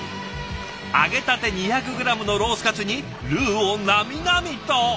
揚げたて２００グラムのロースカツにルーをなみなみと！